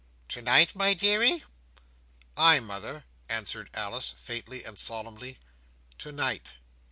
"Tonight, my deary?" "Ay, mother," answered Alice, faintly and solemnly, "tonight!"